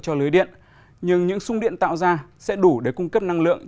cho lưới điện nhưng những sung điện tạo ra sẽ đủ để cung cấp năng lượng